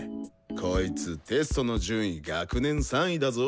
こいつテストの順位学年３位だぞ。